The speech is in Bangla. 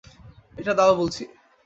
এটা দাও বলছি।